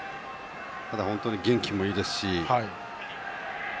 ただ、本当に元気もいいですし。